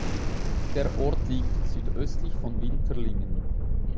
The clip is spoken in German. Der Ort liegt südöstlich von Winterlingen.